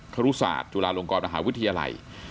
ครุศาสตร์จุฬาลงกรมหาวิทยาลัย